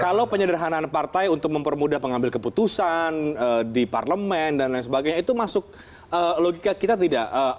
kalau penyederhanaan partai untuk mempermudah pengambil keputusan di parlemen dan lain sebagainya itu masuk logika kita tidak